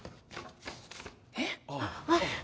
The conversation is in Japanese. えっ。